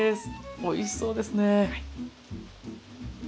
おいしそうですね。